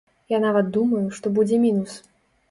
Я нават думаю, што будзе мінус.